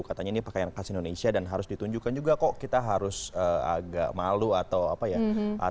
katanya ini pakaian khas indonesia dan harus ditunjukkan juga kok kita harus agak malu atau apa ya